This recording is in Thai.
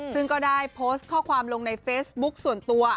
ซึ่งก็ได้โพสต์ข้อความลงในเฟซบุ๊คส่วนตัว